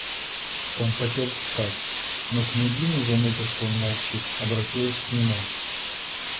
Он хотел встать, но княгиня, заметив, что он молчит, обратилась к нему.